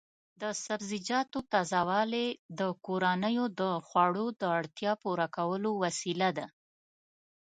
د سبزیجاتو تازه والي د کورنیو د خوړو د اړتیا پوره کولو وسیله ده.